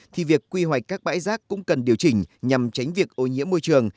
thì việc quy hoạch các bãi rác cũng cần điều chỉnh nhằm tránh việc ô nhiễm môi trường